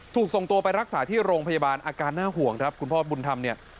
ถูกส่งตัวไปรักษาที่โรงพยาบาลอาการน่าห่วงครับคุณพ่อบุญธรรมเนี่ย